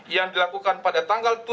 yang dilakukan pada tanggal